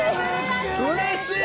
うれしい！